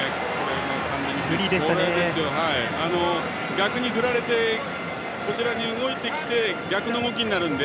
逆に振られてこちらに動いてきて逆の動きになるので。